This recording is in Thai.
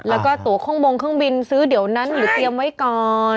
แล้วก็ตัวเครื่องบงเครื่องบินซื้อเดี๋ยวนั้นหรือเตรียมไว้ก่อน